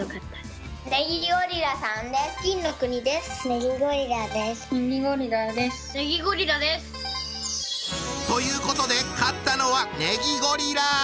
ネギゴリラです。ということで勝ったのはネギゴリラ！